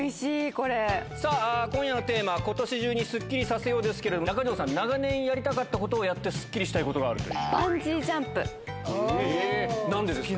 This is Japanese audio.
さあ、今夜のテーマ、今年中にスッキリさせようですけど、中条さん、長年やりたかったことをやってスッキリしたいことがあるという。